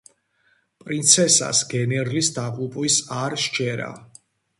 პრინცესას გენერლის დაღუპვის არ სჯერა.